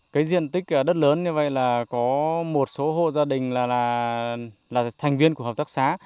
cái diện tích đất lớn như vậy là có một số hộ gia đình là thành viên của hợp tác xá